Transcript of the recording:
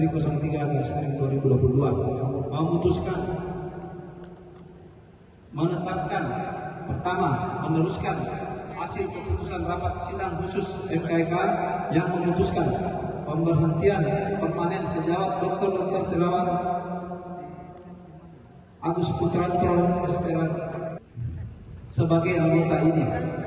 pertama meneruskan hasil keputusan rapat sidang khusus mkk yang memutuskan pemberhentian permanen sejawat dr terawan agus butranto sebagai anggota idi